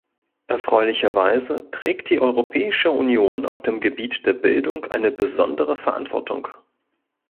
Erfreulicherweise trägt die Europäische Union auf dem Gebiet der Bildung eine besondere Verantwortung.